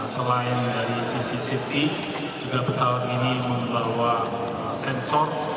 selain dari sisi safety juga pesawat ini membawa sensor